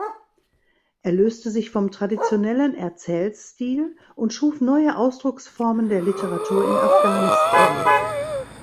Er löste sich vom traditionellen Erzählstil und schuf neue Ausdrucksformen der Literatur in Afghanistan.